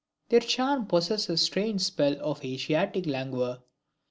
Their charms possess the strange spell of Asiatic languor.